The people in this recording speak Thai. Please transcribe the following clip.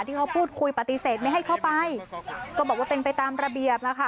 ที่เขาพูดคุยปฏิเสธไม่ให้เข้าไปก็บอกว่าเป็นไปตามระเบียบแล้วค่ะ